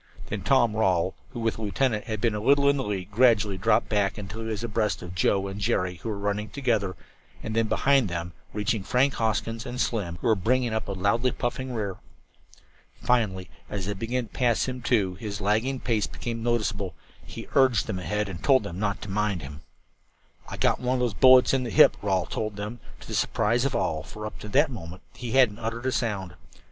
Then Tom Rawle, who, with the lieutenant, had been a little in the lead, gradually dropped back until he was abreast of Joe and Jerry, who were running together, and then behind them, reaching Frank Hoskins and Slim, who were bringing up a loudly puffing rear. Finally, as they began to pass him, too, and his lagging pace became noticeable, he urged them ahead and told them not to mind him. "I got one of those bullets in the hip," Rawle told them, to the surprise of all, for up to that moment he hadn't uttered a sound.